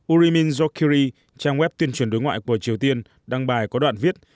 urimin jokiri trang web tuyên truyền đối ngoại của triều tiên đăng bài có đoạn viết